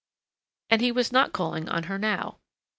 And he was not calling on her now.